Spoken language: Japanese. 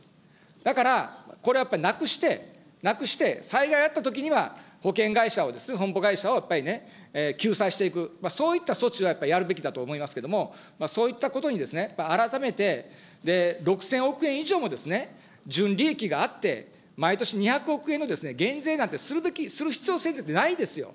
だから、これやっぱりなくして、なくして、災害あったときには保険会社を、会社を救済していく、そういった措置はやるべきだと思いますけれども、そういったことに改めて６０００億円以上もですね、純利益があって、毎年２００億円の減税なんてする必要性ってないですよ。